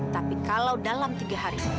tapi kalau dalam tiga hari